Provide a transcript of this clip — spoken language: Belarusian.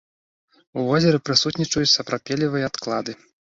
У возеры прысутнічаюць сапрапелевыя адклады.